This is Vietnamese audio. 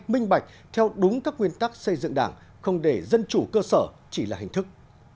minh bạch theo đúng các nguyên tắc xây dựng đảng không để dân chủ cơ sở chỉ là hình thức